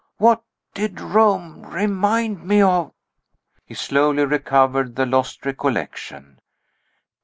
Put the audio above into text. What did Rome remind me of?" He slowly recovered the lost recollection.